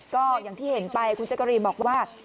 ก็อย่างที่เห็นไปคุณจักรีนบอกว่า